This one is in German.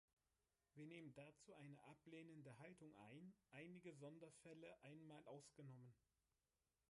Wir nehmen dazu eine ablehnende Haltung ein, einige Sonderfälle einmal ausgenommen.